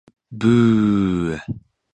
寒々と吹く秋風のように、厳しく冷たいこと。